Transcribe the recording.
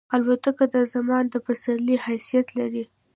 الوتکه د زمان د سپرلۍ حیثیت لري.